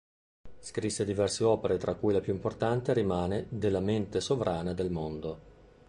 Scrisse diverse opere tra cui la più importante rimane "Della mente sovrana del mondo".